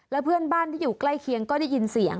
เพื่อนบ้านที่อยู่ใกล้เคียงก็ได้ยินเสียง